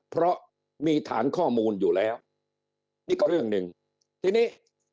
เพราะมีฐานข้อมูลอยู่แล้วนี่ก็เรื่องหนึ่งทีนี้